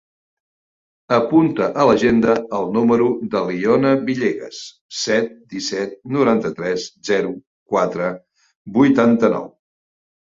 Apunta a l'agenda el número de l'Iona Villegas: set, disset, noranta-tres, zero, quatre, vuitanta-nou.